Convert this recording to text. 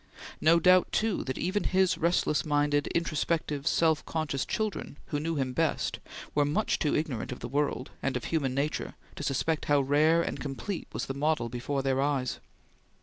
No doubt, too, that even his restless minded, introspective, self conscious children who knew him best were much too ignorant of the world and of human nature to suspect how rare and complete was the model before their eyes.